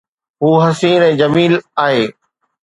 هو حسين ۽ جميل آهي